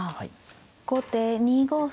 後手２五歩。